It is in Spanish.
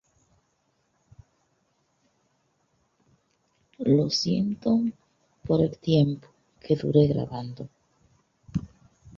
Se hallaron objetos cotidianos como floreros, cadenas de bronce y cerámica.